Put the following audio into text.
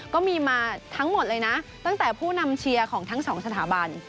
ก็มีมาทั้งหมดเลยนะตั้งแต่ผู้นำเชียร์ของทั้งสองสถาบัน